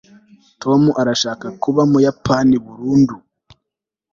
tom arashaka kuba mu buyapani burundu